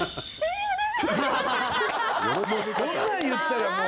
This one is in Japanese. そんなん言ったらもう！